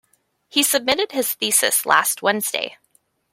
He submitted his thesis last Wednesday.